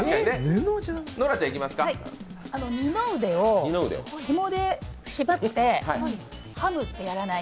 二の腕をひもで縛って「ハム」ってやらない。